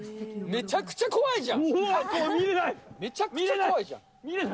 めちゃくちゃ怖いじゃん。